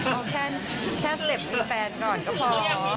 เอาแค่เสล็บมีแฟนก่อนก็พอ